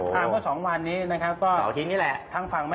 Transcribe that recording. แล้วก็สองวันนี้แถวที่นี่แหละ